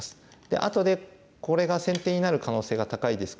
あとでこれが先手になる可能性が高いですから。